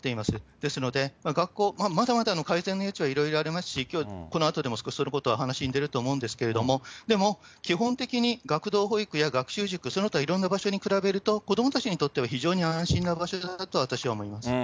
ですので、学校、まだまだ改善の余地はいろいろありますし、きょう、このあとでもそのことは話に出るとは思うんですけれども、でも基本的に、学童保育や学習塾、その他いろんな場所に比べると、子どもたちにとっては非常に安心な場所だなと、私は思います。